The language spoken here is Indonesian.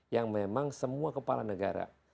yang memang semua kepala negara